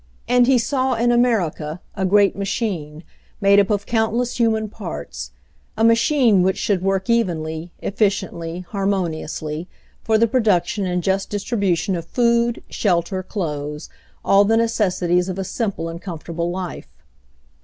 And he saw in America a great machine, made up of countless human parts — a machine which should work evenly, efficiently, harmoniously, for the production and just distribution of food, shel ter, clothes, all the necessities of a simple and comfortable life.